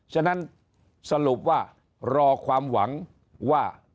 ฉะนั้นสรุปว่ารอความหวังว่า